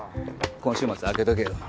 今週末空けとけよ。